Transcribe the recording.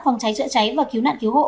phòng cháy chữa cháy và cứu nạn cứu hộ